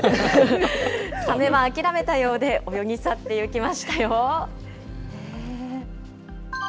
サメは諦めたようで、泳ぎ去っていきましたよ。